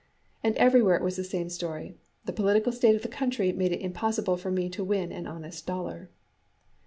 And everywhere it was the same story the political state of the country made it impossible for me to win an honest dollar.